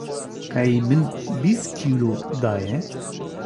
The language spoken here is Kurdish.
qey min bîst kîlo daye.